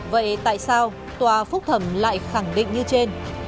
vậy tại sao tòa phúc thẩm lại khẳng định như trên